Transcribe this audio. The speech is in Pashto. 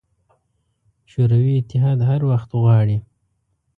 شوروي اتحاد هر وخت غواړي.